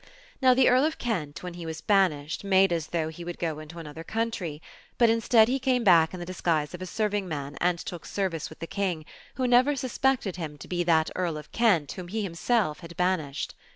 Now the Earl of Kent, when he was banished, made as though he would go into another country, but instead he came back in the disguise of a serving man and took service with the King, ^ho never suspected him to be that Earl of Kent whom he him self had banished.